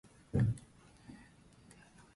札苅駅